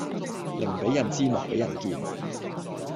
寧俾人知莫俾人見